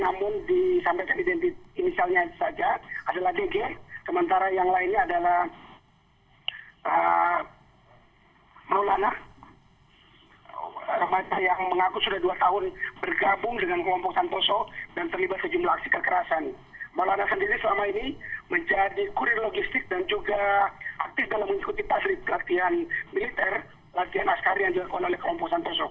jadi selama ini menjadi kurir logistik dan juga aktif dalam mengikuti pasir laktian militer laktian askari yang dilakukan oleh kelompok santoso